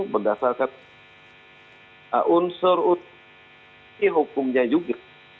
berdasarkan unsur unsur hukumnya juga